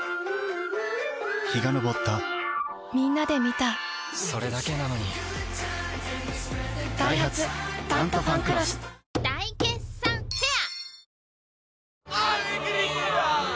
陽が昇ったみんなで観たそれだけなのにダイハツ「タントファンクロス」大決算フェア